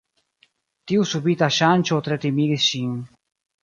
Tiu subita ŝanĝo tre timigis ŝin.